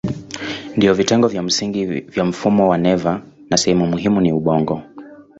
Ndiyo vitengo vya msingi vya mfumo wa neva na sehemu yake muhimu ni ubongo.